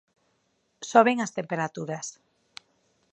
Soben as temperaturas.